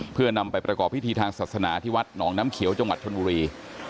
เพื่อนำไปประกอบพิธีทางศาสนาที่วัดหนองน้ำเขียวจังหวัดชนบุรี